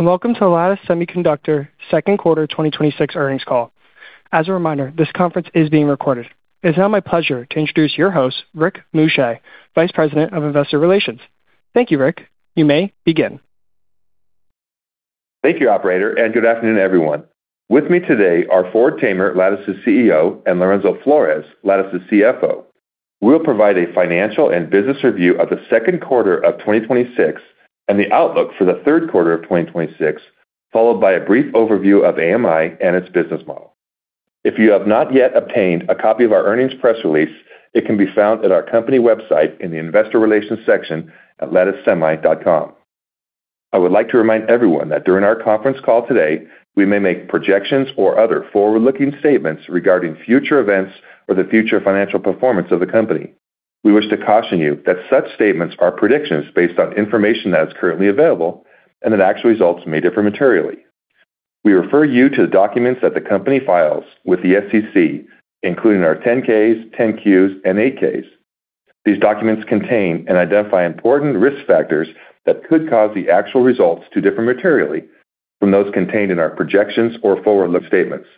Welcome to the Lattice Semiconductor second quarter 2026 earnings call. As a reminder, this conference is being recorded. It is now my pleasure to introduce your host, Rick Muscha, Vice President of Investor Relations. Thank you, Rick. You may begin. Thank you, operator, and good afternoon, everyone. With me today are Ford Tamer, Lattice's CEO, and Lorenzo Flores, Lattice's CFO. We'll provide a financial and business review of the second quarter of 2026 and the outlook for the third quarter of 2026, followed by a brief overview of AMI and its business model. If you have not yet obtained a copy of our earnings press release, it can be found at our company website in the investor relations section at latticesemi.com. I would like to remind everyone that during our conference call today, we may make projections or other forward-looking statements regarding future events or the future financial performance of the company. We wish to caution you that such statements are predictions based on information that is currently available, and that actual results may differ materially. We refer you to the documents that the company files with the SEC, including our 10-Ks, 10-Qs, and 8-Ks. These documents contain and identify important risk factors that could cause the actual results to differ materially from those contained in our projections or forward-looking statements.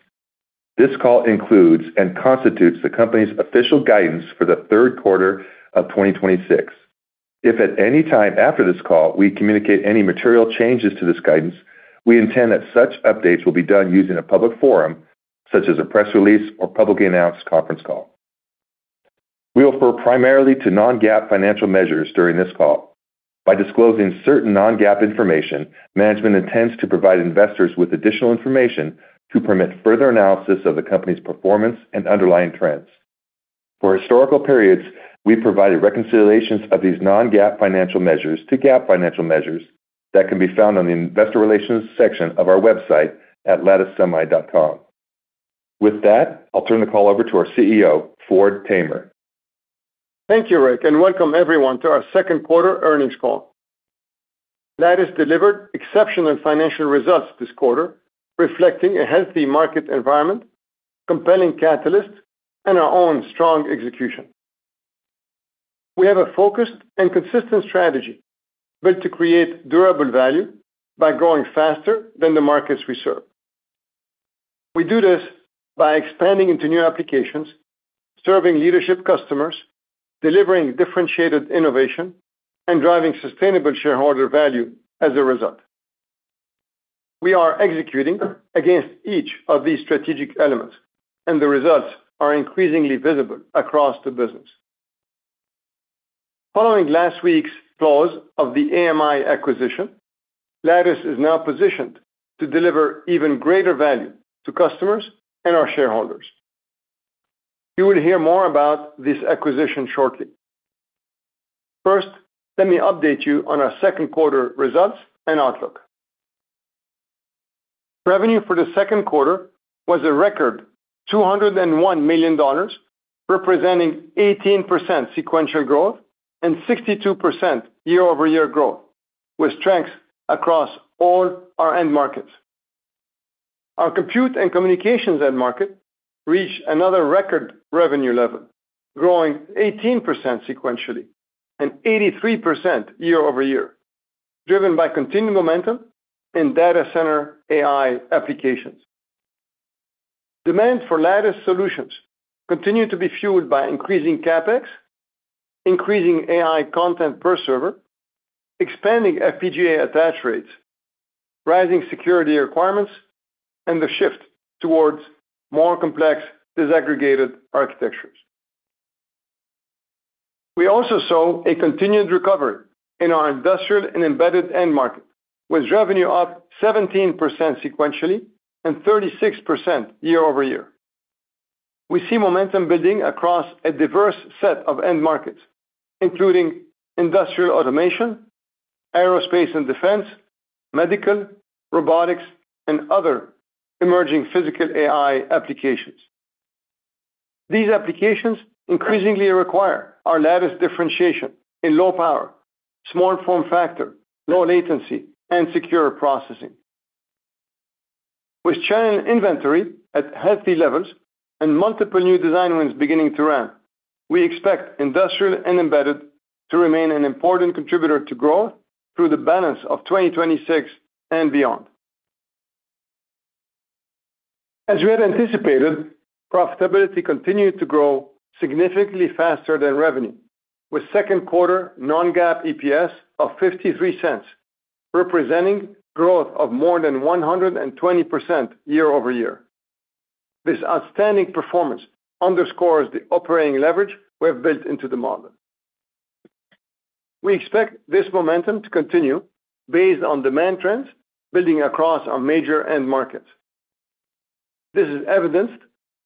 This call includes and constitutes the company's official guidance for the third quarter of 2026. If at any time after this call we communicate any material changes to this guidance, we intend that such updates will be done using a public forum, such as a press release or publicly announced conference call. We refer primarily to non-GAAP financial measures during this call. By disclosing certain non-GAAP information, management intends to provide investors with additional information to permit further analysis of the company's performance and underlying trends. For historical periods, we've provided reconciliations of these non-GAAP financial measures to GAAP financial measures that can be found on the investor relations section of our website at latticesemi.com. With that, I'll turn the call over to our CEO, Ford Tamer. Thank you, Rick, and welcome everyone to our second quarter earnings call. Lattice delivered exceptional financial results this quarter, reflecting a healthy market environment, compelling catalysts, and our own strong execution. We have a focused and consistent strategy built to create durable value by growing faster than the markets we serve. We do this by expanding into new applications, serving leadership customers, delivering differentiated innovation, and driving sustainable shareholder value as a result. We are executing against each of these strategic elements. The results are increasingly visible across the business. Following last week's close of the AMI acquisition, Lattice is now positioned to deliver even greater value to customers and our shareholders. You will hear more about this acquisition shortly. First, let me update you on our second quarter results and outlook. Revenue for the second quarter was a record $201 million, representing 18% sequential growth and 62% year-over-year growth, with strength across all our end markets. Our compute and communications end market reached another record revenue level, growing 18% sequentially and 83% year-over-year, driven by continued momentum in data center AI applications. Demand for Lattice solutions continue to be fueled by increasing CapEx, increasing AI content per server, expanding FPGA attach rates, rising security requirements, and the shift towards more complex disaggregated architectures. We also saw a continued recovery in our industrial and embedded end market, with revenue up 17% sequentially and 36% year-over-year. We see momentum building across a diverse set of end markets, including industrial automation, aerospace and defense, medical, robotics, and other emerging physical AI applications. These applications increasingly require our Lattice differentiation in low power, small form factor, low latency, and secure processing. With channel inventory at healthy levels and multiple new design wins beginning to ramp, we expect industrial and embedded to remain an important contributor to growth through the balance of 2026 and beyond. As we had anticipated, profitability continued to grow significantly faster than revenue, with second quarter non-GAAP EPS of $0.53, representing growth of more than 120% year-over-year. This outstanding performance underscores the operating leverage we have built into the model. We expect this momentum to continue based on demand trends building across our major end markets. This is evidenced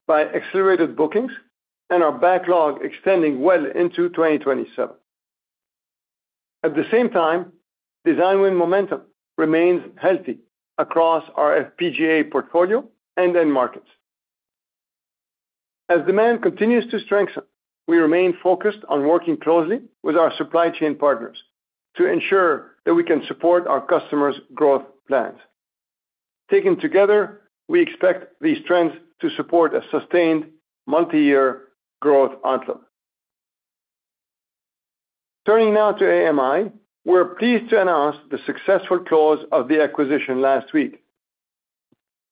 by accelerated bookings and our backlog extending well into 2027. At the same time, design win momentum remains healthy across our FPGA portfolio and end markets. As demand continues to strengthen, we remain focused on working closely with our supply chain partners to ensure that we can support our customers' growth plans. Taken together, we expect these trends to support a sustained multiyear growth outlook. Turning now to AMI. We're pleased to announce the successful close of the acquisition last week.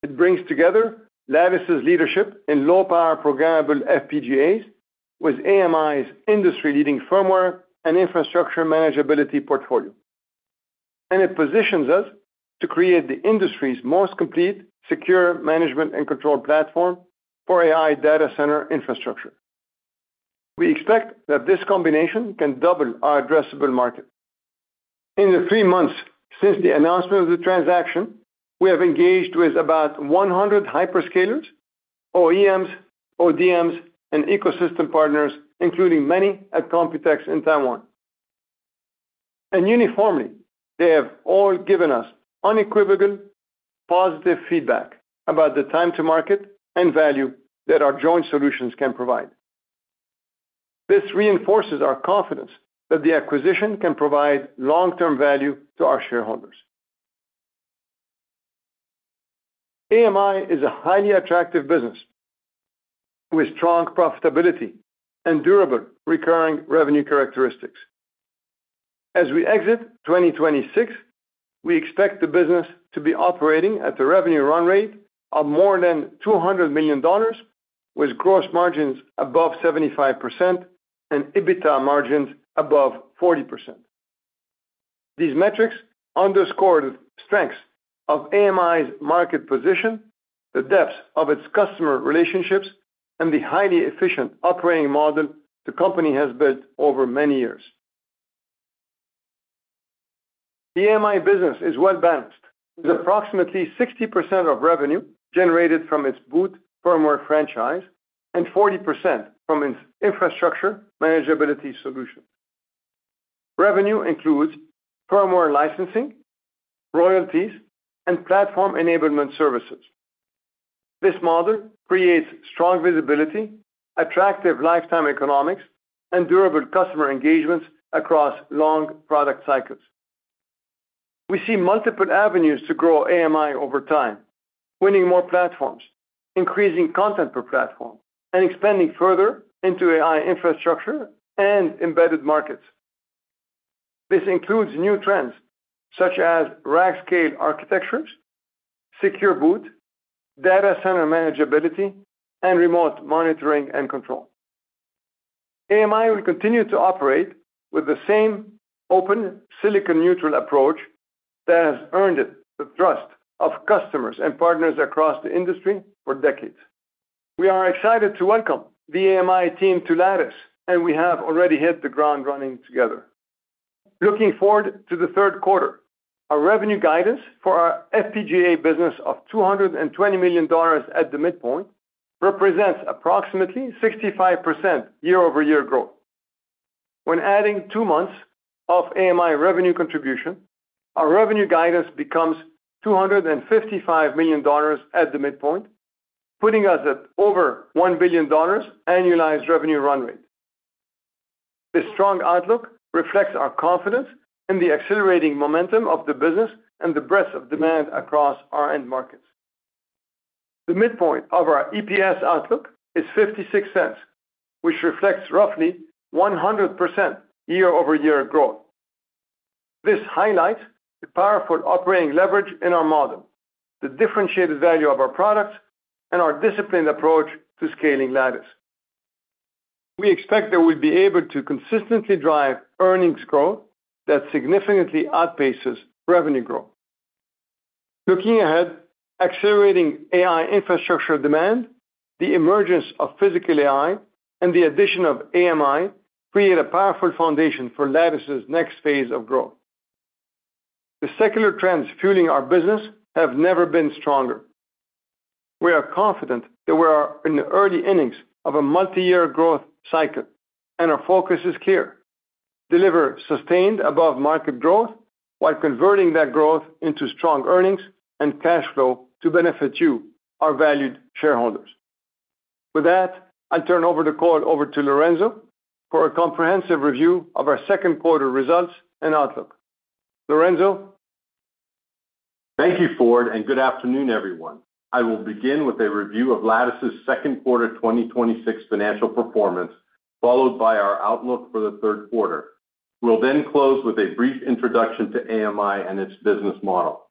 It brings together Lattice's leadership in low-power programmable FPGAs with AMI's industry-leading firmware and infrastructure manageability portfolio. It positions us to create the industry's most complete secure management and control platform for AI data center infrastructure. We expect that this combination can double our addressable market. In the three months since the announcement of the transaction, we have engaged with about 100 hyperscalers, OEMs, ODMs, and ecosystem partners, including many at Computex in Taiwan. Uniformly, they have all given us unequivocal positive feedback about the time to market and value that our joint solutions can provide. This reinforces our confidence that the acquisition can provide long-term value to our shareholders. AMI is a highly attractive business with strong profitability and durable recurring revenue characteristics. As we exit 2026, we expect the business to be operating at a revenue run rate of more than $200 million, with gross margins above 75% and EBITDA margins above 40%. These metrics underscore the strength of AMI's market position, the depth of its customer relationships, and the highly efficient operating model the company has built over many years. The AMI business is well-balanced, with approximately 60% of revenue generated from its boot firmware franchise and 40% from its infrastructure manageability solutions. Revenue includes firmware licensing, royalties, and platform enablement services. This model creates strong visibility, attractive lifetime economics, and durable customer engagements across long product cycles. We see multiple avenues to grow AMI over time, winning more platforms, increasing content per platform, and expanding further into AI infrastructure and embedded markets. This includes new trends such as rack-scale architectures, secure boot, data center manageability, and remote monitoring and control. AMI will continue to operate with the same open, silicon-neutral approach that has earned it the trust of customers and partners across the industry for decades. We are excited to welcome the AMI team to Lattice, and we have already hit the ground running together. Looking forward to the third quarter, our revenue guidance for our FPGA business of $220 million at the midpoint represents approximately 65% year-over-year growth. When adding two months of AMI revenue contribution, our revenue guidance becomes $255 million at the midpoint, putting us at over $1 billion annualized revenue run rate. This strong outlook reflects our confidence in the accelerating momentum of the business and the breadth of demand across our end markets. The midpoint of our EPS outlook is $0.56, which reflects roughly 100% year-over-year growth. This highlights the powerful operating leverage in our model, the differentiated value of our products, and our disciplined approach to scaling Lattice. We expect that we'll be able to consistently drive earnings growth that significantly outpaces revenue growth. Looking ahead, accelerating AI infrastructure demand, the emergence of physical AI, and the addition of AMI create a powerful foundation for Lattice's next phase of growth. The secular trends fueling our business have never been stronger. We are confident that we are in the early innings of a multi-year growth cycle, and our focus is clear: deliver sustained above-market growth while converting that growth into strong earnings and cash flow to benefit you, our valued shareholders. With that, I'll turn over the call over to Lorenzo for a comprehensive review of our second quarter results and outlook. Lorenzo? Thank you, Ford, and good afternoon, everyone. I will begin with a review of Lattice's second quarter 2026 financial performance, followed by our outlook for the third quarter. We'll then close with a brief introduction to AMI and its business model.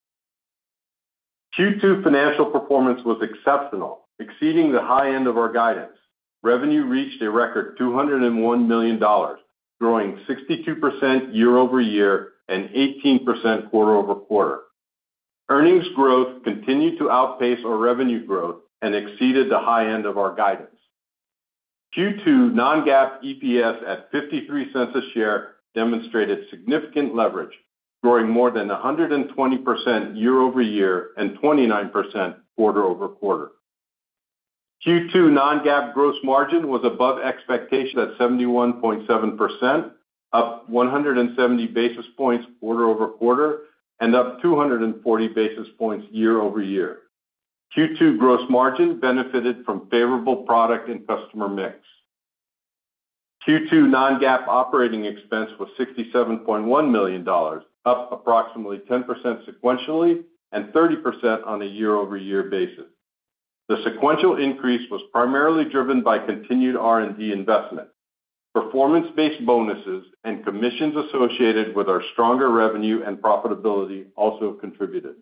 Q2 financial performance was exceptional, exceeding the high end of our guidance. Revenue reached a record $201 million, growing 62% year-over-year and 18% quarter-over-quarter. Earnings growth continued to outpace our revenue growth and exceeded the high end of our guidance. Q2 non-GAAP EPS at $0.53 a share demonstrated significant leverage, growing more than 120% year-over-year and 29% quarter-over-quarter. Q2 non-GAAP gross margin was above expectation at 71.7%, up 170 basis points quarter-over-quarter and up 240 basis points year-over-year. Q2 gross margin benefited from favorable product and customer mix. Q2 non-GAAP operating expense was $67.1 million, up approximately 10% sequentially and 30% on a year-over-year basis. The sequential increase was primarily driven by continued R&D investment. Performance-based bonuses and commissions associated with our stronger revenue and profitability also contributed.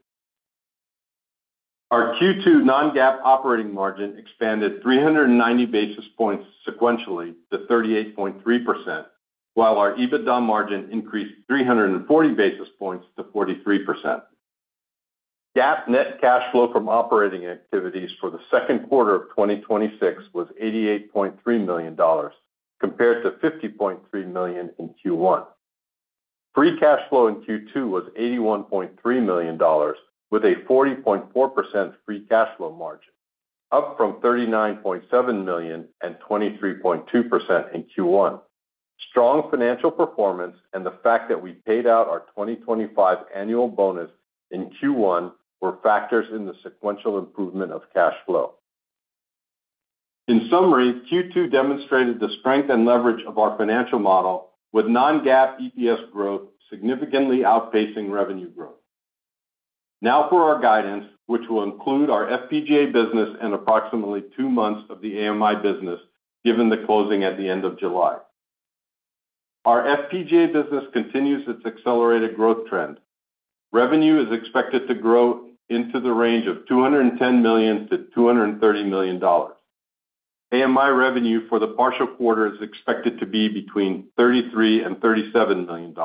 Our Q2 non-GAAP operating margin expanded 390 basis points sequentially to 38.3%, while our EBITDA margin increased 340 basis points to 43%. GAAP net cash flow from operating activities for the second quarter of 2026 was $88.3 million, compared to $50.3 million in Q1. Free cash flow in Q2 was $81.3 million, with a 40.4% free cash flow margin, up from $39.7 million and 23.2% in Q1. Strong financial performance and the fact that we paid out our 2025 annual bonus in Q1 were factors in the sequential improvement of cash flow. In summary, Q2 demonstrated the strength and leverage of our financial model with non-GAAP EPS growth significantly outpacing revenue growth. Now for our guidance, which will include our FPGA business and approximately two months of the AMI business, given the closing at the end of July. Our FPGA business continues its accelerated growth trend. Revenue is expected to grow into the range of $210 million-$230 million. AMI revenue for the partial quarter is expected to be between $33 million and $37 million.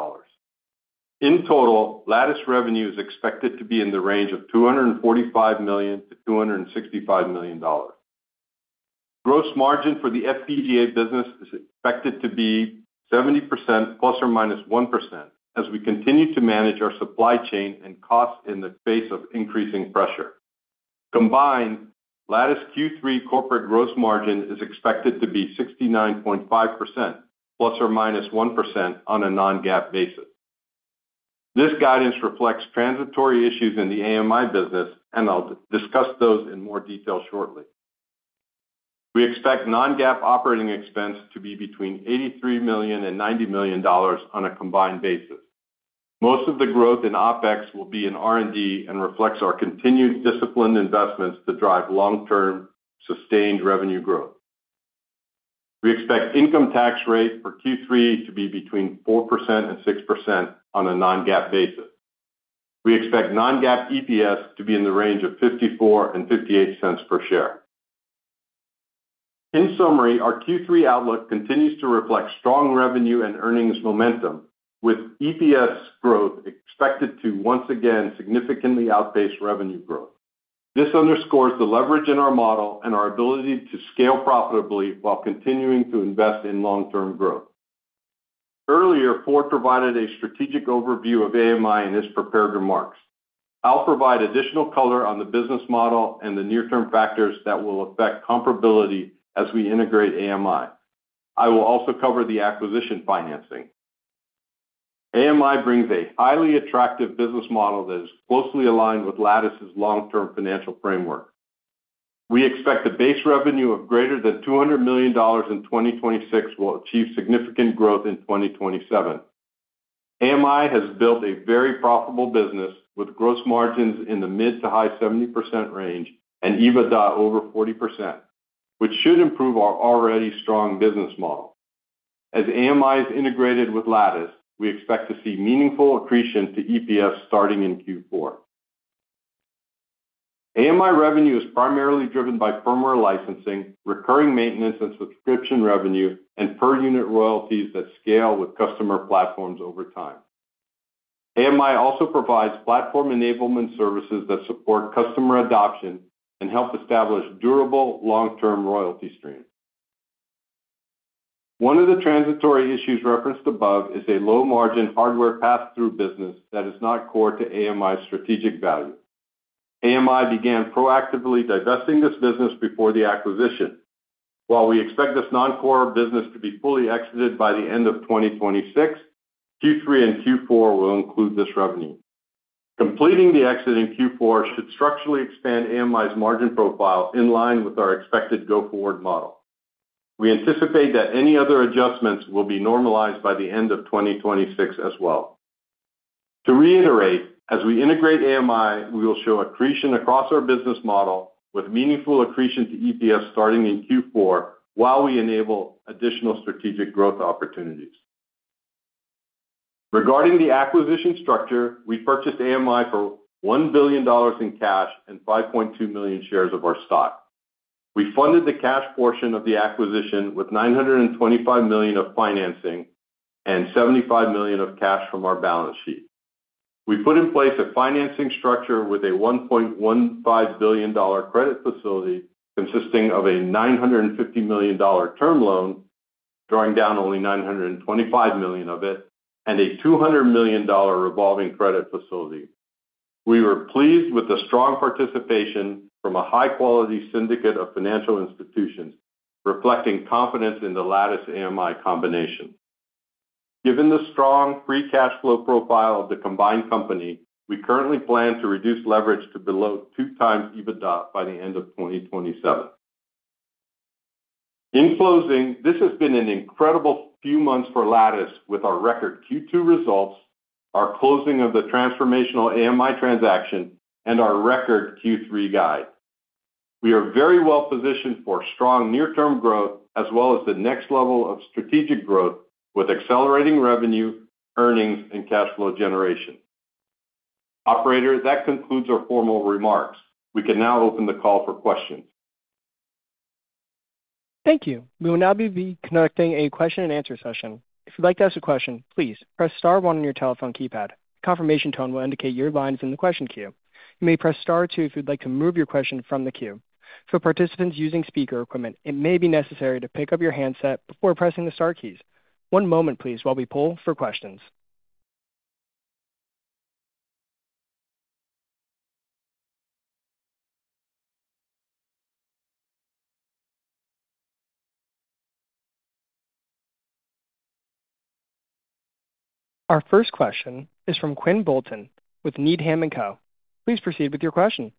In total, Lattice revenue is expected to be in the range of $245 million-$265 million. Gross margin for the FPGA business is expected to be 70% ±1% as we continue to manage our supply chain and costs in the face of increasing pressure. Combined, Lattice Q3 corporate gross margin is expected to be 69.5% ±1% on a non-GAAP basis. This guidance reflects transitory issues in the AMI business, and I'll discuss those in more detail shortly. We expect non-GAAP operating expense to be between $83 million and $90 million on a combined basis. Most of the growth in OpEx will be in R&D and reflects our continued disciplined investments to drive long-term sustained revenue growth. We expect income tax rate for Q3 to be between 4% and 6% on a non-GAAP basis. We expect non-GAAP EPS to be in the range of $0.54 and $0.58 per share. In summary, our Q3 outlook continues to reflect strong revenue and earnings momentum, with EPS growth expected to once again significantly outpace revenue growth. This underscores the leverage in our model and our ability to scale profitably while continuing to invest in long-term growth. Earlier, Ford provided a strategic overview of AMI in his prepared remarks. I'll provide additional color on the business model and the near-term factors that will affect comparability as we integrate AMI. I will also cover the acquisition financing. AMI brings a highly attractive business model that is closely aligned with Lattice's long-term financial framework. We expect a base revenue of greater than $200 million in 2026 will achieve significant growth in 2027. AMI has built a very profitable business with gross margins in the mid to high 70% range and EBITDA over 40%, which should improve our already strong business model. As AMI is integrated with Lattice, we expect to see meaningful accretion to EPS starting in Q4. AMI revenue is primarily driven by firmware licensing, recurring maintenance and subscription revenue, and per-unit royalties that scale with customer platforms over time. AMI also provides platform enablement services that support customer adoption and help establish durable long-term royalty streams. One of the transitory issues referenced above is a low-margin hardware pass-through business that is not core to AMI's strategic value. AMI began proactively divesting this business before the acquisition. While we expect this non-core business to be fully exited by the end of 2026, Q3 and Q4 will include this revenue. Completing the exit in Q4 should structurally expand AMI's margin profile in line with our expected go-forward model. We anticipate that any other adjustments will be normalized by the end of 2026 as well. To reiterate, as we integrate AMI, we will show accretion across our business model with meaningful accretion to EPS starting in Q4, while we enable additional strategic growth opportunities. Regarding the acquisition structure, we purchased AMI for $1 billion in cash and 5.2 million shares of our stock. We funded the cash portion of the acquisition with $925 million of financing and $75 million of cash from our balance sheet. We put in place a financing structure with a $1.15 billion credit facility consisting of a $950 million term loan, drawing down only $925 million of it, and a $200 million revolving credit facility. We were pleased with the strong participation from a high-quality syndicate of financial institutions, reflecting confidence in the Lattice AMI combination. Given the strong free cash flow profile of the combined company, we currently plan to reduce leverage to below 2x EBITDA by the end of 2027. In closing, this has been an incredible few months for Lattice with our record Q2 results, our closing of the transformational AMI transaction, and our record Q3 guide. We are very well positioned for strong near-term growth as well as the next level of strategic growth with accelerating revenue, earnings, and cash flow generation. Operator, that concludes our formal remarks. We can now open the call for questions. Thank you. We will now be conducting a question and answer session. If you'd like to ask a question, please press star one on your telephone keypad. A confirmation tone will indicate your line is in the question queue. You may press star two if you'd like to move your question from the queue. For participants using speaker equipment, it may be necessary to pick up your handset before pressing the star keys. One moment, please, while we poll for questions. Our first question is from Quinn Bolton with Needham & Co. Please proceed with your question.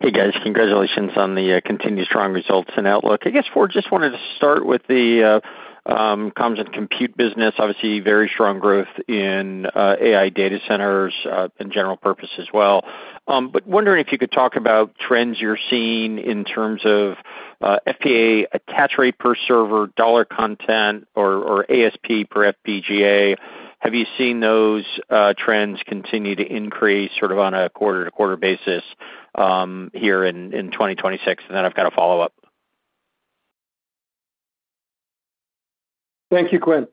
Hey, guys. Congratulations on the continued strong results and outlook. I guess, Ford, just wanted to start with the Comms & Compute business. Obviously, very strong growth in AI data centers and general purpose as well. Wondering if you could talk about trends you're seeing in terms of FPGA attach rate per server, dollar content or ASP per FPGA. Have you seen those trends continue to increase sort of on a quarter-to-quarter basis here in 2026? I've got a follow-up. Thank you, Quinn.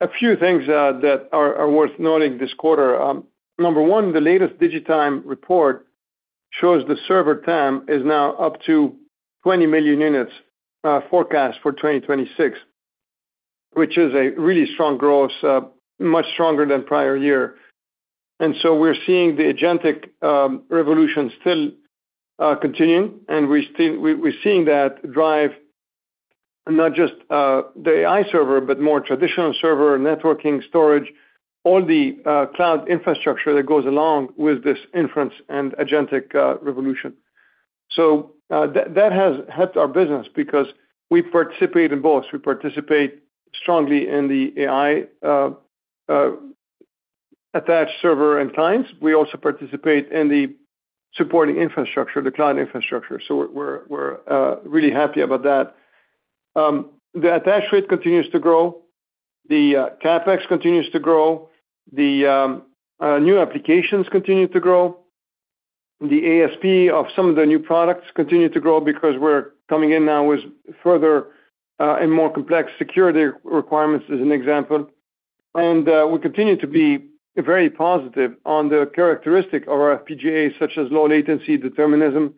A few things that I was noting this quarter. Number one, the latest DigiTime report shows the server TAM is now up to 20 million units forecast for 2026, which is a really strong growth, much stronger than prior year. We're seeing the agentic revolution still continuing, we're seeing that drive not just the AI server, but more traditional server, networking, storage, all the cloud infrastructure that goes along with this inference and agentic revolution. That has helped our business because we participate in both. We participate strongly in the AI attached server and clients. We also participate in the supporting infrastructure, the client infrastructure. We're really happy about that. The attach rate continues to grow. The CapEx continues to grow. The new applications continue to grow. The ASP of some of the new products continue to grow because we're coming in now with further and more complex security requirements as an example. We continue to be very positive on the characteristic of our FPGA, such as low latency determinism,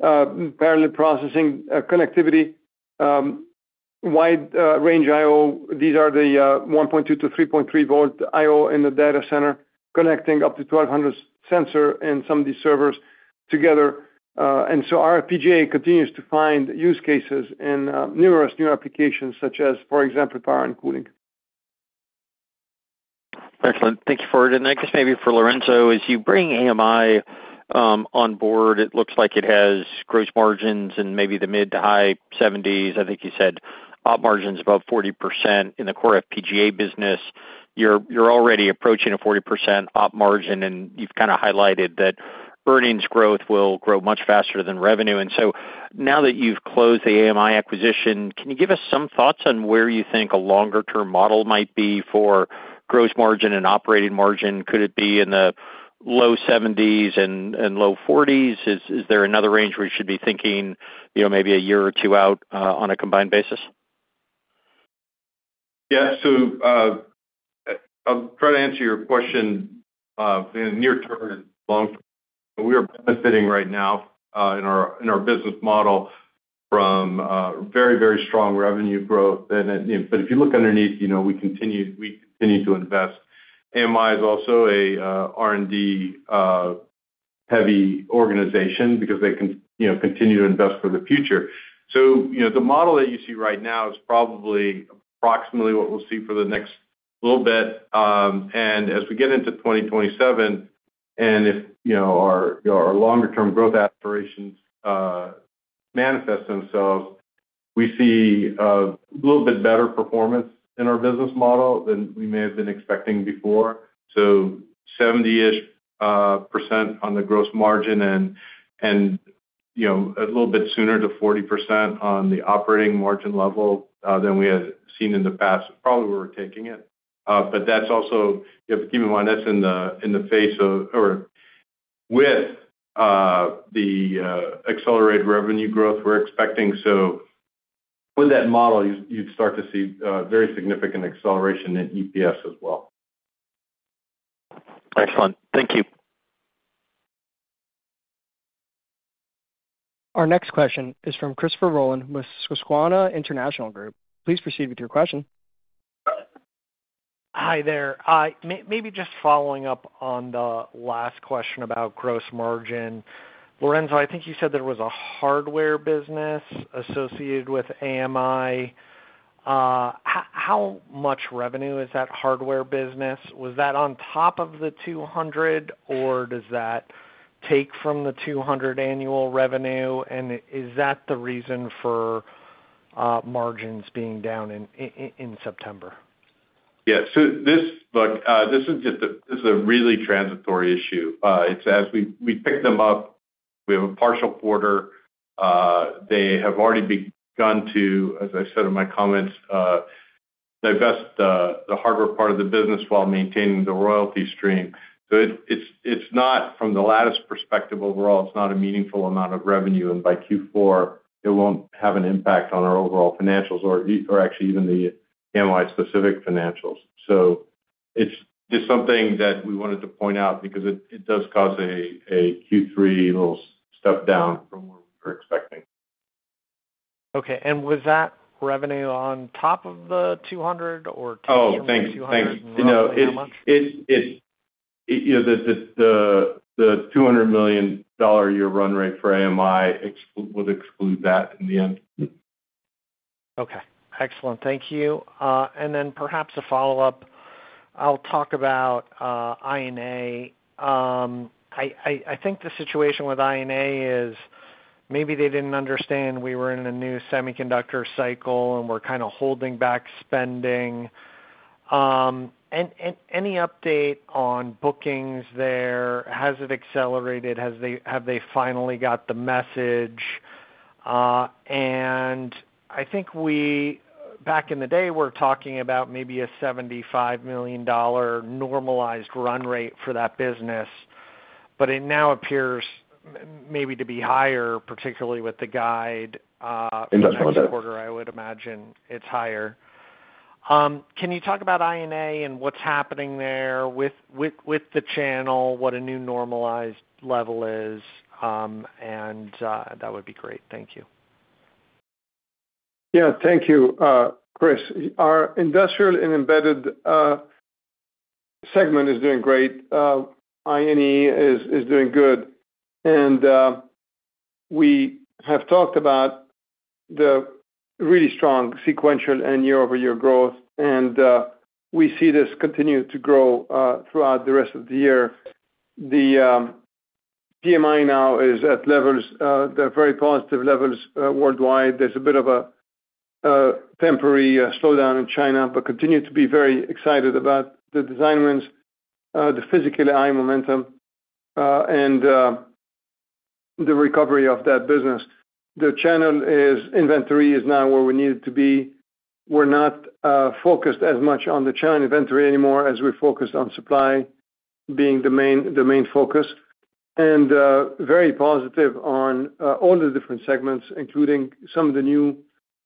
parallel processing, connectivity, wide range I/O. These are the 1.2 to 3.3-V I/O in the data center, connecting up to 1,200 sensor in some of these servers together. Our FPGA continues to find use cases in numerous new applications such as, for example, power and cooling. Excellent. Thank you, Ford. I guess maybe for Lorenzo, as you bring AMI on board, it looks like it has gross margins in maybe the mid to high 70s. I think you said op margins above 40% in the core FPGA business. You're already approaching a 40% op margin, you've kind of highlighted that earnings growth will grow much faster than revenue. Now that you've closed the AMI acquisition, can you give us some thoughts on where you think a longer-term model might be for gross margin and operating margin? Could it be in the low 70s and low 40s? Is there another range where we should be thinking maybe a year or two out on a combined basis? Yeah. I'll try to answer your question in near-term and long-term. We are benefiting right now in our business model from very strong revenue growth. If you look underneath, we continue to invest. AMI is also a R&D heavy organization because they continue to invest for the future. The model that you see right now is probably approximately what we'll see for the next little bit. As we get into 2027, if our longer-term growth aspirations manifest themselves, we see a little bit better performance in our business model than we may have been expecting before. 70-ish% on the gross margin and a little bit sooner to 40% on the operating margin level than we had seen in the past, probably where we're taking it. But keep in mind, that's in the face of or with the accelerated revenue growth we're expecting. With that model, you'd start to see very significant acceleration in EPS as well. Excellent. Thank you. Our next question is from Christopher Rolland with Susquehanna International Group. Please proceed with your question. Hi there. Maybe just following up on the last question about gross margin. Lorenzo, I think you said there was a hardware business associated with AMI. How much revenue is that hardware business? Was that on top of the 200, or does that take from the 200 annual revenue? Is that the reason for margins being down in September? Yeah. Look, this is a really transitory issue. It's as we pick them up, we have a partial quarter. They have already begun to, as I said in my comments, divest the hardware part of the business while maintaining the royalty stream. It's not from the Lattice perspective overall, it's not a meaningful amount of revenue, and by Q4, it won't have an impact on our overall financials or actually even the AMI specific financials. It's just something that we wanted to point out because it does cause a Q3 little step down from where we were expecting. Okay. Was that revenue on top of the 200? Thank you. Roughly how much? The $200 million a year run rate for AMI would exclude that in the end. Okay, excellent. Thank you. Perhaps a follow-up. I'll talk about I&A. I think the situation with I&A is maybe they didn't understand we were in a new semiconductor cycle, and we're kind of holding back spending. Any update on bookings there? Has it accelerated? Have they finally got the message? I think we, back in the day, were talking about maybe a $75 million normalized run rate for that business, but it now appears maybe to be higher, particularly with the guide- Industrial- Next quarter, I would imagine it's higher. Can you talk about I&A and what's happening there with the channel, what a new normalized level is? That would be great. Thank you. Yeah. Thank you, Chris. Our industrial and embedded segment is doing great. I&E is doing good. We have talked about the really strong sequential and year-over-year growth, and we see this continue to grow throughout the rest of the year. The PMI now is at very positive levels worldwide. There's a bit of a temporary slowdown in China, but continue to be very excited about the design wins, the physical design momentum, and the recovery of that business. The channel is inventory is now where we need it to be. We're not focused as much on the channel inventory anymore as we're focused on supply being the main focus. Very positive on all the different segments, including some of the new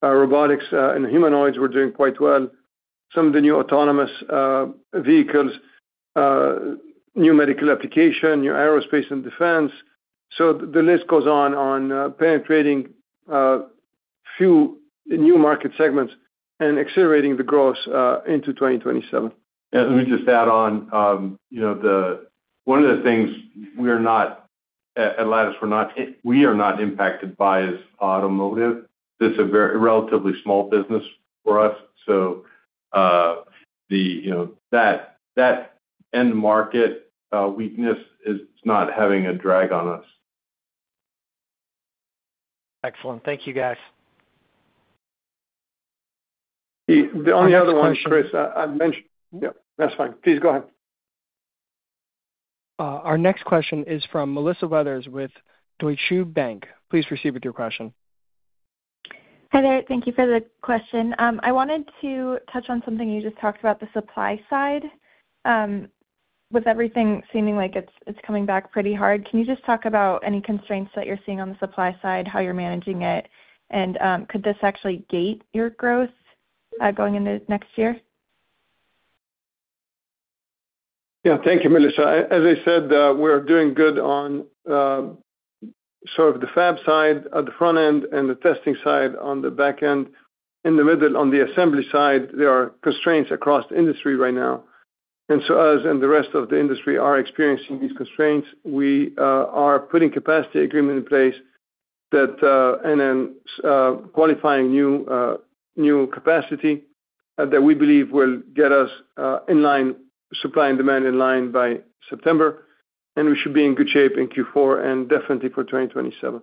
robotics and humanoids were doing quite well, some of the new autonomous vehicles, new medical application, new aerospace and defense. The list goes on penetrating a few new market segments and accelerating the growth into 2027. Yeah, let me just add on. One of the things at Lattice we are not impacted by is automotive. It's a relatively small business for us. That end market weakness is not having a drag on us. Excellent. Thank you, guys. The only other one, Chris, I mentioned. Yeah, that's fine. Please go ahead. Our next question is from Melissa Weathers with Deutsche Bank. Please proceed with your question. Hi there. Thank you for the question. I wanted to touch on something you just talked about, the supply side. With everything seeming like it's coming back pretty hard, can you just talk about any constraints that you're seeing on the supply side, how you're managing it, and could this actually gate your growth going into next year? Yeah, thank you, Melissa. As I said, we're doing good on sort of the fab side at the front end and the testing side on the back end. In the middle, on the assembly side, there are constraints across the industry right now. Us and the rest of the industry are experiencing these constraints. We are putting capacity agreement in place and then qualifying new capacity that we believe will get us supply and demand in line by September. We should be in good shape in Q4 and definitely for 2027.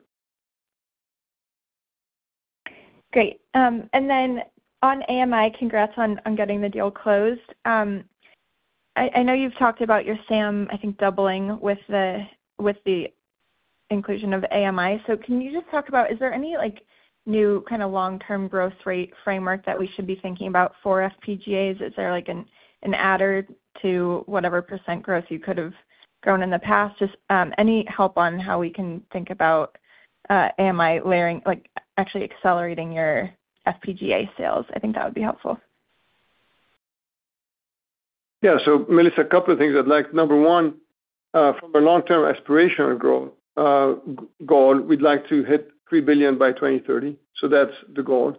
Great. On AMI, congrats on getting the deal closed. I know you've talked about your SAM, I think, doubling with the inclusion of AMI. Can you just talk about, is there any new kind of long-term growth rate framework that we should be thinking about for FPGAs? Is there an adder to whatever percent growth you could have grown in the past? Just any help on how we can think about AMI actually accelerating your FPGA sales? I think that would be helpful. Yeah. Melissa, a couple of things I'd like. Number one, from a long-term aspirational goal, we'd like to hit $3 billion by 2030. That's the goal.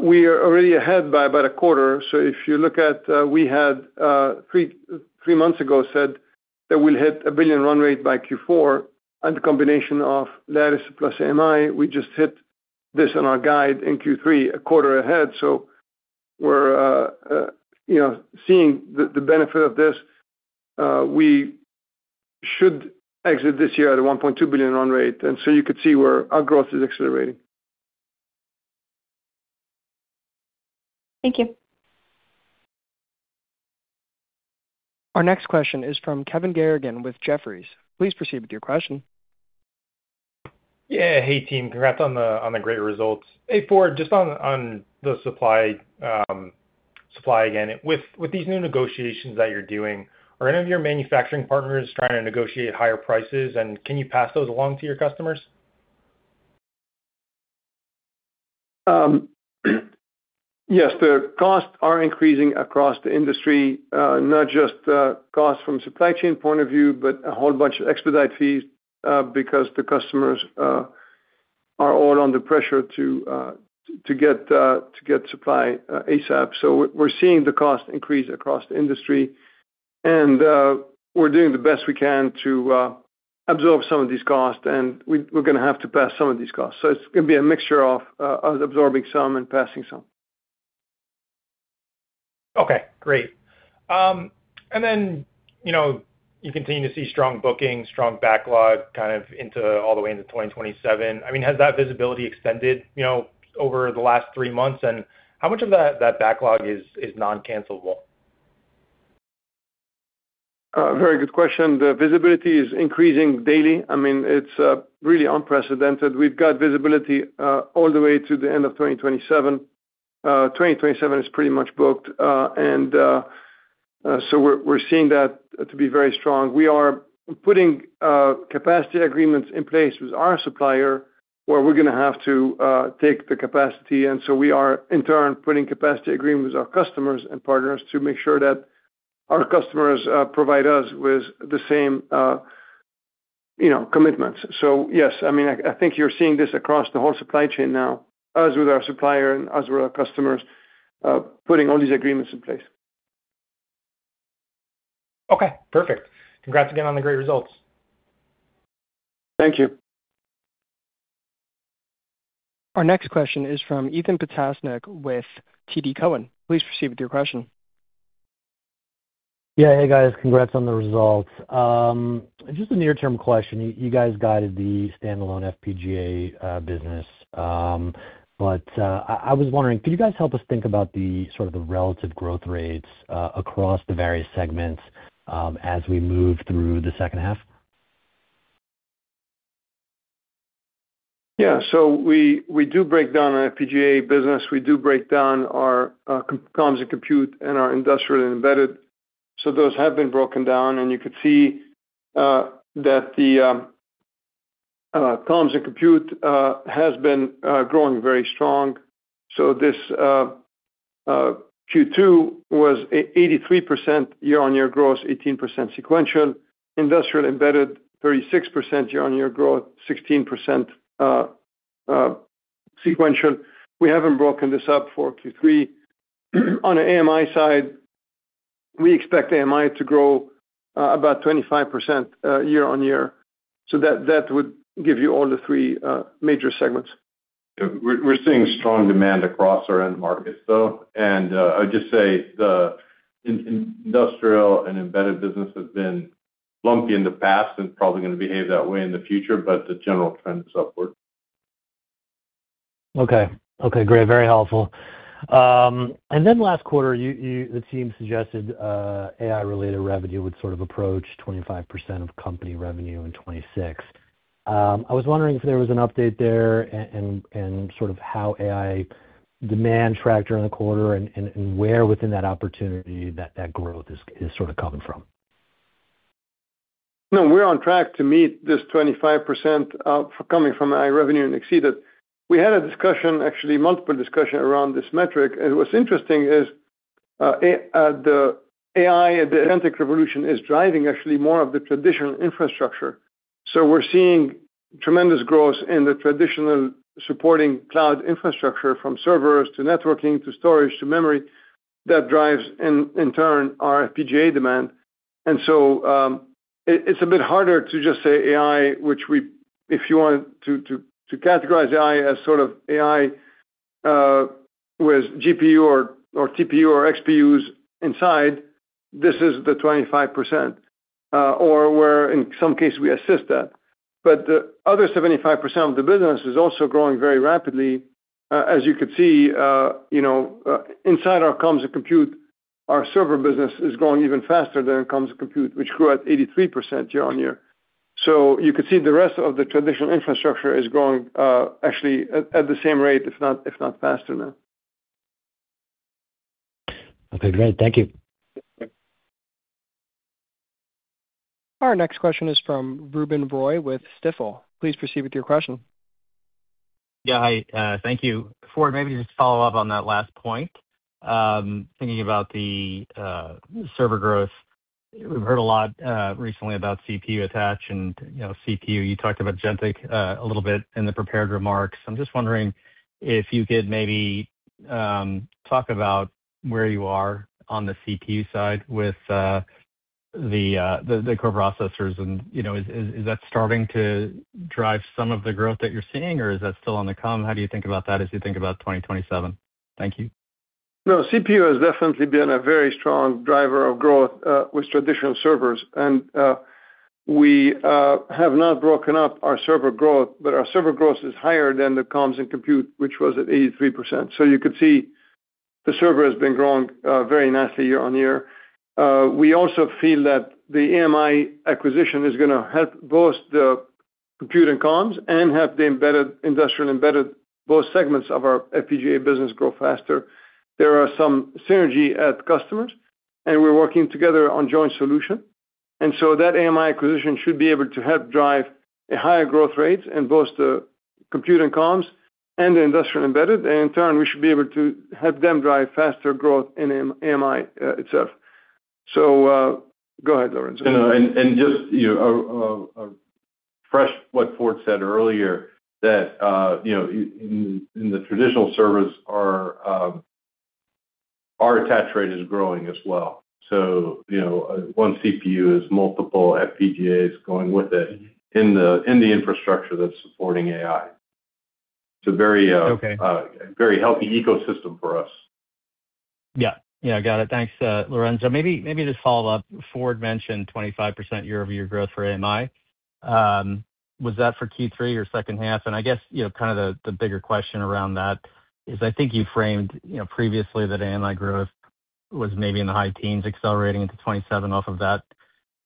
We are already ahead by about a quarter. If you look at, we had three months ago said that we'll hit a $1 billion run rate by Q4 and the combination of Lattice plus AMI, we just hit this in our guide in Q3 a quarter ahead. We're seeing the benefit of this. We should exit this year at a $1.2 billion run rate. You could see where our growth is accelerating. Thank you. Our next question is from Kevin Garrigan with Jefferies. Please proceed with your question. Yeah. Hey, team. Congrats on the great results. Hey, Ford, just on the supply again. With these new negotiations that you're doing, are any of your manufacturing partners trying to negotiate higher prices? Can you pass those along to your customers? Yes. The costs are increasing across the industry, not just costs from supply chain point of view, but a whole bunch of expedite fees, because the customers are all under pressure to get supply ASAP. We're seeing the cost increase across the industry, and we're doing the best we can to absorb some of these costs, and we're going to have to pass some of these costs. It's going to be a mixture of absorbing some and passing some. Okay, great. You continue to see strong bookings, strong backlog kind of all the way into 2027. I mean, has that visibility extended over the last three months, and how much of that backlog is non-cancelable? Very good question. The visibility is increasing daily. I mean, it's really unprecedented. We've got visibility all the way to the end of 2027. 2027 is pretty much booked. We're seeing that to be very strong. We are putting capacity agreements in place with our supplier, where we're going to have to take the capacity. We are, in turn, putting capacity agreements with our customers and partners to make sure that our customers provide us with the same commitments. Yes, I think you're seeing this across the whole supply chain now, us with our supplier and us with our customers, putting all these agreements in place. Okay, perfect. Congrats again on the great results. Thank you. Our next question is from Ethan Potasnick with TD Cowen. Please proceed with your question. Yeah. Hey, guys. Congrats on the results. Just a near-term question. You guys guided the standalone FPGA business. I was wondering, could you guys help us think about the sort of the relative growth rates across the various segments as we move through the second half? Yeah. We do break down our FPGA business. We do break down our Comms & Compute and our Industrial and Embedded. Those have been broken down, and you could see that the Comms & Compute has been growing very strong. This Q2 was 83% year-on-year growth, 18% sequential. Industrial Embedded, 36% year-on-year growth, 17% sequential. We haven't broken this up for Q3. On the AMI side, we expect AMI to grow about 25% year-on-year. That would give you all the three major segments. We're seeing strong demand across our end markets, though. I'd just say the Industrial & Embedded business has been lumpy in the past and probably going to behave that way in the future, but the general trend is upward. Okay. Great. Very helpful. Last quarter, the team suggested AI-related revenue would sort of approach 25% of company revenue in 2026. I was wondering if there was an update there and sort of how AI demand tracked during the quarter and where within that opportunity that growth is sort of coming from? No, we're on track to meet this 25% coming from AI revenue and exceed it. We had a discussion, actually multiple discussions around this metric. What's interesting is the AI, the agentic revolution is driving actually more of the traditional infrastructure. We're seeing tremendous growth in the traditional supporting cloud infrastructure, from servers to networking, to storage, to memory, that drives, in turn, our FPGA demand. It's a bit harder to just say AI, which if you want to categorize AI as sort of AI with GPU or TPU or XPUs inside, this is the 25%, or where in some cases we assist that. The other 75% of the business is also growing very rapidly. As you could see inside our Comms & Compute, our server business is growing even faster than Comms & Compute, which grew at 83% year-on-year. You could see the rest of the traditional infrastructure is growing actually at the same rate, if not faster now. Okay, great. Thank you. Our next question is from Ruben Roy with Stifel. Please proceed with your question. Yeah, hi. Thank you. Ford, maybe just to follow up on that last point. Thinking about the server growth, we've heard a lot recently about CPU attach and CPU. You talked about agentic a little bit in the prepared remarks. I'm just wondering if you could maybe talk about where you are on the CPU side with the core processors, and is that starting to drive some of the growth that you're seeing or is that still on the comms? How do you think about that as you think about 2027? Thank you. CPU has definitely been a very strong driver of growth with traditional servers. We have not broken up our server growth, but our server growth is higher than the Comms & Compute, which was at 83%. You could see the server has been growing very nicely year-on-year. We also feel that the AMI acquisition is going to help both the compute and comms and help the Industrial Embedded both segments of our FPGA business grow faster. There are some synergy at customers, and we're working together on joint solution. That AMI acquisition should be able to help drive a higher growth rate in both the compute and comms and the Industrial Embedded. In turn, we should be able to help them drive faster growth in AMI itself. Go ahead, Lorenzo. Just refresh what Ford said earlier that in the traditional servers our attach rate is growing as well. One CPU is multiple FPGAs going with it in the infrastructure that's supporting AI. It's a very. Okay. Very healthy ecosystem for us. Yeah. Got it. Thanks, Lorenzo. Maybe just follow up. Ford mentioned 25% year-over-year growth for AMI. Was that for Q3 or second half? I guess, kind of the bigger question around that is I think you framed previously that AMI growth was maybe in the high teens accelerating into 2027 off of that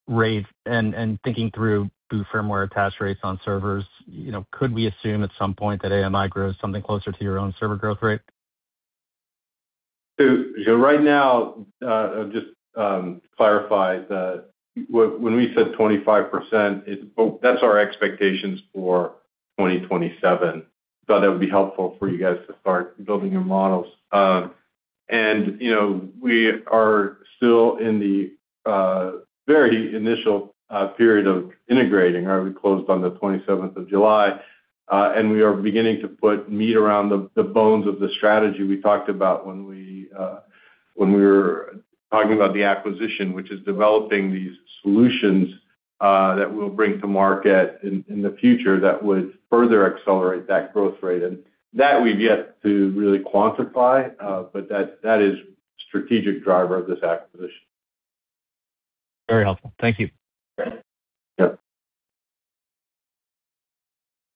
rate. Thinking through firmware attach rates on servers, could we assume at some point that AMI grows something closer to your own server growth rate? Right now, just clarify that when we said 25%, that's our expectations for 2027. Thought that would be helpful for you guys to start building your models. We are still in the very initial period of integrating. We closed on the 27th of July. We are beginning to put meat around the bones of the strategy we talked about when we were talking about the acquisition, which is developing these solutions that we'll bring to market in the future that would further accelerate that growth rate. That we've yet to really quantify, but that is strategic driver of this acquisition. Very helpful. Thank you. Sure.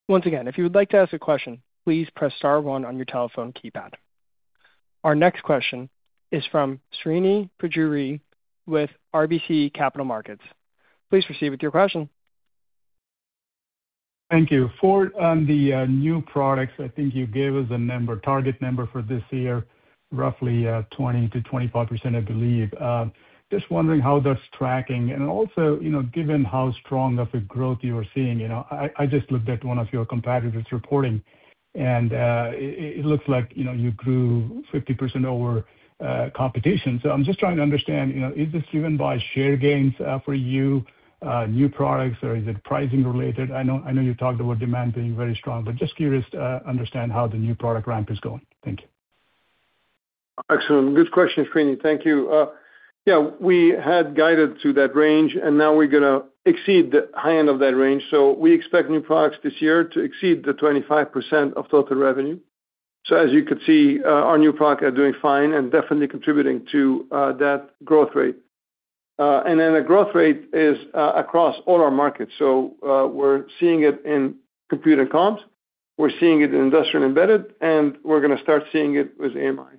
Once again, if you would like to ask a question, please press star one on your telephone keypad. Our next question is from Srini Pajjuri with RBC Capital Markets. Please proceed with your question. Thank you. Ford, on the new products, I think you gave us a target number for this year, roughly 20%-25%, I believe. Just wondering how that's tracking? Also, given how strong of a growth you are seeing, I just looked at one of your competitors' reporting, and it looks like you grew 50% over competition. I'm just trying to understand, is this driven by share gains for you, new products, or is it pricing related? I know you talked about demand being very strong, but just curious to understand how the new product ramp is going. Thank you. Excellent. Good question, Srini. Thank you. We had guided to that range, and now we're going to exceed the high end of that range. We expect new products this year to exceed the 25% of total revenue. As you can see, our new product are doing fine and definitely contributing to that growth rate. The growth rate is across all our markets. We're seeing it in computer and comms, we're seeing it in industrial and embedded, and we're going to start seeing it with AMI.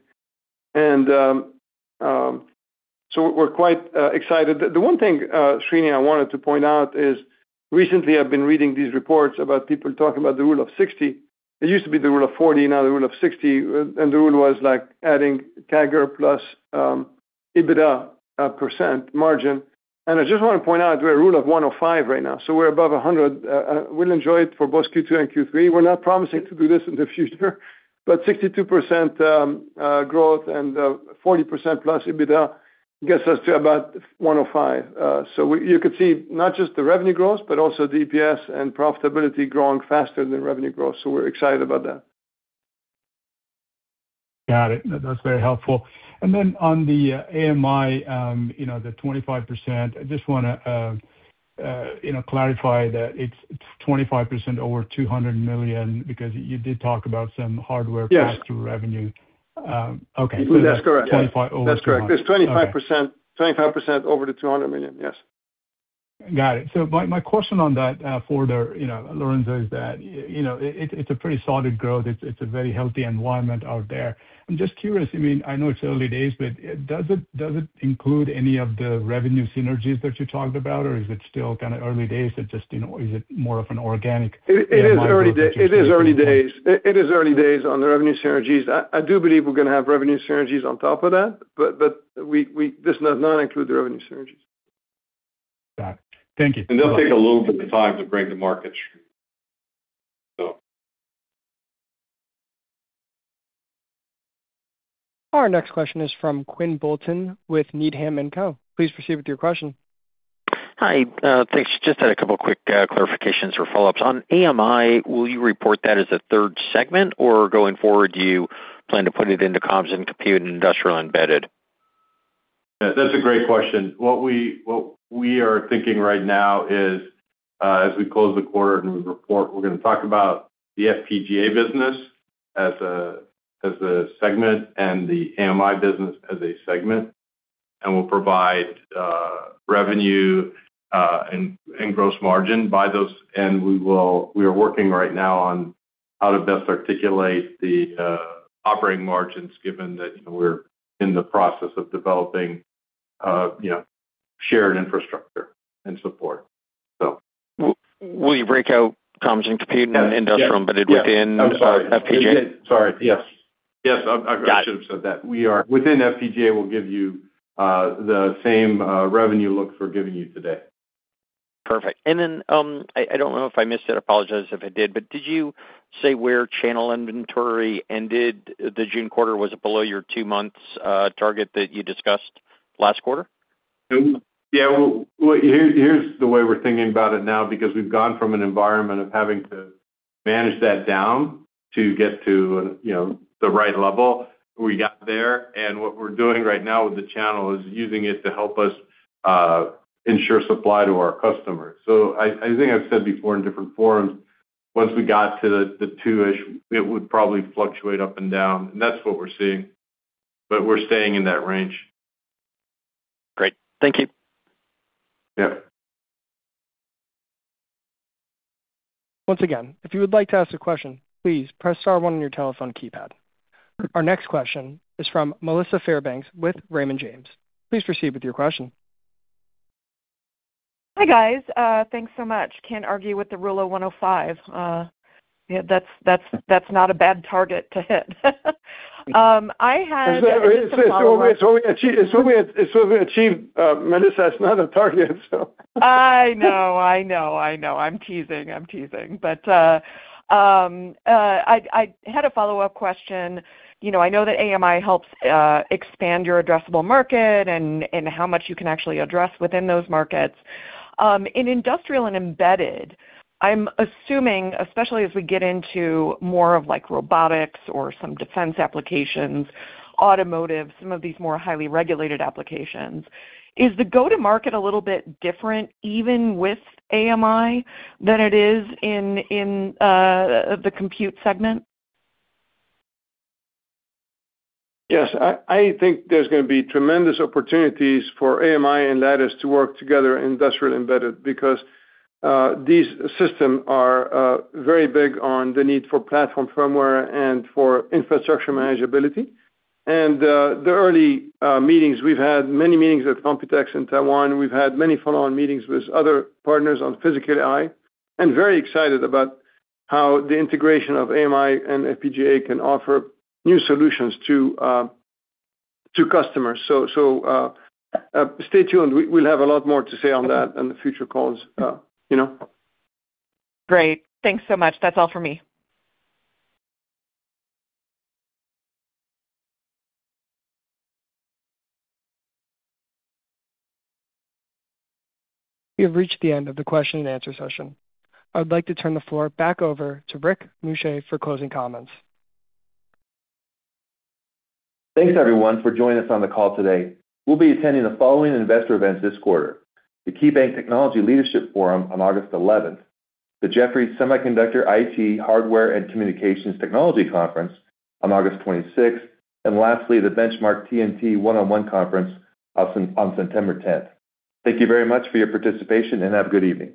We're quite excited. The one thing, Srini, I wanted to point out is recently I've been reading these reports about people talking about the rule of 60. It used to be the rule of 40, now the rule of 60, and the rule was like adding CAGR plus EBIDTA percent margin. I just want to point out we're at a rule of 105 right now. We're above 100. We'll enjoy it for both Q2 and Q3. We're not promising to do this in the future, 62% growth and 40%+ EBITDA gets us to about 105. You could see not just the revenue growth, but also the EPS and profitability growing faster than revenue growth. We're excited about that. Got it. That's very helpful. Then on the AMI, the 25%, I just want to clarify that it's 25% over $200 million, because you did talk about some hardware- Yes. Pass through revenue. Okay. That's correct, yes. 25% over $200 million. That's correct. It's 25% over the $200 million, yes. My question on that, Ford or Lorenzo, is that it's a pretty solid growth. It's a very healthy environment out there. I'm just curious, I know it's early days, but does it include any of the revenue synergies that you talked about, or is it still kind of early days, is it more of an organic? It is early days. It is early days on the revenue synergies. I do believe we're going to have revenue synergies on top of that. This does not include the revenue synergies. Got it. Thank you. They'll take a little bit of time to bring to market. Our next question is from Quinn Bolton with Needham & Co. Please proceed with your question. Hi, thanks. Just had a couple quick clarifications or follow-ups. On AMI, will you report that as a third segment, or going forward, do you plan to put it into Comms & Compute and Industrial Embedded? Yeah, that's a great question. What we are thinking right now is, as we close the quarter and we report, we're gonna talk about the FPGA business as a segment and the AMI business as a segment. We'll provide revenue, and gross margin by those, and we are working right now on how to best articulate the operating margins, given that we're in the process of developing shared infrastructure and support, so. Will you break out Comms & Compute and Industrial Embedded within- Yeah. I'm sorry FPGA? Sorry, yes. I should have said that. Got it. Within FPGA, we'll give you the same revenue look we're giving you today. Perfect. Then, I don't know if I missed it, apologize if I did you say where channel inventory ended the June quarter? Was it below your two months target that you discussed last quarter? Yeah, well, here's the way we're thinking about it now, because we've gone from an environment of having to manage that down to get to the right level. We got there, and what we're doing right now with the channel is using it to help us ensure supply to our customers. I think I've said before in different forums, once we got to the two-ish, it would probably fluctuate up and down, and that's what we're seeing. We're staying in that range. Great. Thank you. Yeah. Once again, if you would like to ask a question, please press star one on your telephone keypad. Our next question is from Melissa Fairbanks with Raymond James. Please proceed with your question. Hi, guys. Thanks so much. Can't argue with the rule of 105. Yeah, that's not a bad target to hit. It's what we achieved, Melissa, that's not a target. I know. I'm teasing. I had a follow-up question. I know that AMI helps expand your addressable market and how much you can actually address within those markets. In industrial and embedded, I'm assuming, especially as we get into more of robotics or some defense applications, automotive, some of these more highly regulated applications, is the go-to-market a little bit different, even with AMI, than it is in the compute segment? Yes. I think there's gonna be tremendous opportunities for AMI and Lattice to work together in Industrial Embedded because these systems are very big on the need for platform firmware and for infrastructure manageability. The early meetings, we've had many meetings with Computex in Taiwan. We've had many follow-on meetings with other partners on physical AI, and very excited about how the integration of AMI and FPGA can offer new solutions to customers. Stay tuned. We'll have a lot more to say on that on the future calls. Great. Thanks so much. That's all for me. We have reached the end of the question and answer session. I would like to turn the floor back over to Rick Muscha for closing comments. Thanks everyone for joining us on the call today. We will be attending the following investor events this quarter: the KeyBanc Technology Leadership Forum on August 11th, the Jefferies Semiconductor, IT Hardware & Communications Technology Conference on August 26th. Lastly, the Benchmark TMT One-on-One Conference on September 10th. Thank you very much for your participation, and have a good evening.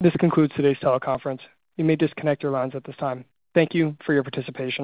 This concludes today's teleconference. You may disconnect your lines at this time. Thank you for your participation.